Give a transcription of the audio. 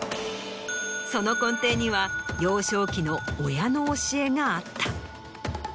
その根底には幼少期の親の教えがあった。